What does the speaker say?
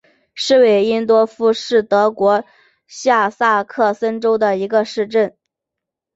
施韦因多夫是德国下萨克森州的一个市镇。